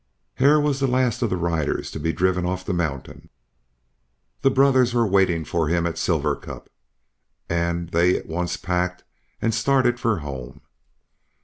Hare was the last of the riders to be driven off the mountain. The brothers were waiting for him at Silver Cup, and they at once packed and started for home.